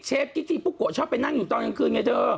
เชฟกิ๊กชอบไปนั่งอยู่ตอนกลางคืนไงเธอ